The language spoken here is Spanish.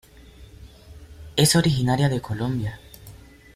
Es originaria de Colombia.